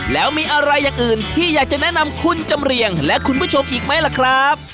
แล้วมีอะไรอย่างอื่นที่อยากจะแนะนำคุณจำเรียงและคุณผู้ชมอีกไหมล่ะครับ